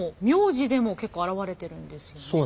名字でも結構現れてるんですよね。